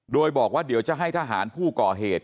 โดยบอกว่าเดี๋ยวจะให้ทหารผู้ก่อเหตุ